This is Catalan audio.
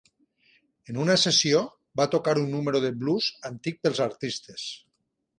En una sessió, va tocar un número de blues antic pels artistes.